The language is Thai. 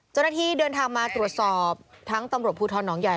เจ้าหน้าที่เดินทางมาตรวจสอบทั้งตำรวจภูทรหนองใหญ่